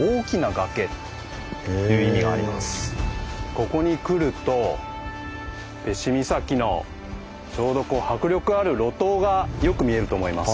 ここに来るとペシ岬のちょうど迫力ある露頭がよく見えると思います